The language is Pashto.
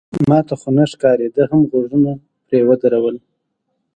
ما ته خو نه ښکاري، ده هم غوږونه پرې ودرول.